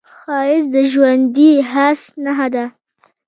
ښایست د ژوندي حس نښه ده